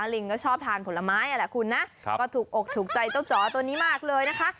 ลิงก็ชอบทานผลไม้อ่ะแหละคุณนะก็ถูกอกถูกใจเจ้าจ๋อตัวนี้มากเลยนะคะ